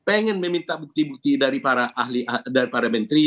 ingin meminta bukti bukti dari para menteri